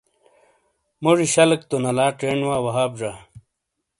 موجی شلیک تو نلا چینڈ وا وہاب زا۔